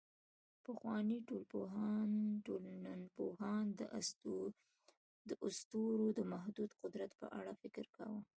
پخواني ټولنپوهان د اسطورو د محدود قدرت په اړه فکر کاوه.